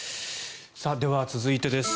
では、続いてです。